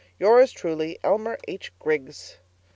'Yours truly, 'ELMER H. GRIGGS.'